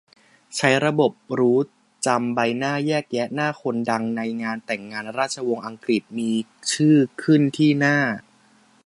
ใช้ระบบรู้จำใบหน้าแยกแยะหน้าคนดังในงานแต่งงานราชวงศ์อังกฤษ มีชื่อขึ้นที่หน้า